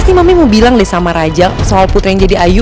pasti mami mau bilang deh sama raja soal putra yang jadi ayu